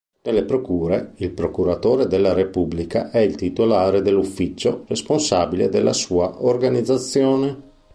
Nelle Procure il Procuratore della Repubblica è il titolare dell’ufficio, responsabile della sua organizzazione.